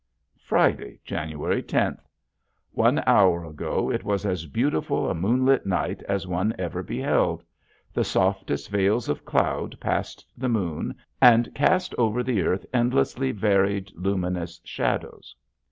Friday, January tenth. One hour ago it was as beautiful a moonlit night as one ever beheld. The softest veils of cloud passed the moon and cast over the earth endlessly varied, luminous shadows.